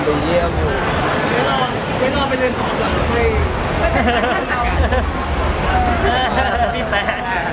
ว่าเรียกผมได้เผื่อเป็นยังไง